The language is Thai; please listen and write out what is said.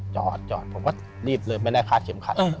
จอดจอดผมก็รีบเลยไม่ได้คาดเข็มขัด